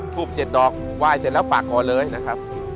ทูบ๗ดอกไหว้เสร็จแล้วปากก่อนเลยนะครับ